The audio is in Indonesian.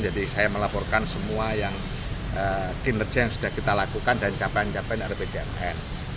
jadi saya melaporkan semua yang dinerja yang sudah kita lakukan dan capaian capaian rdpjmn